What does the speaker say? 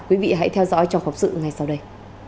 quý vị hãy theo dõi trong phóng sự ngay sau đây